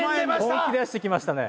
本気出してきましたね。